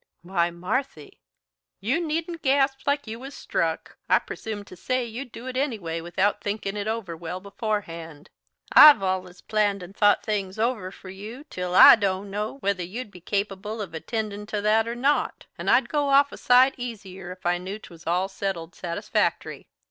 "Why, Marthy!" "You needn't gasp like you was struck. I presume to say you'd do it anyway without thinkin' it over well beforehand. I've allus planned and thought things over for you till I don't know whether you'd be capable of attendin' to that or not. And I'd go off a sight easier if I knew 'twas all settled satisfactory.